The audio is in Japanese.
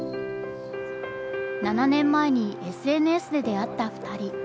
７年前にＳＮＳで出会った２人。